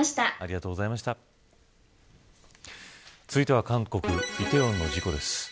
続いては韓国梨泰院の事故です。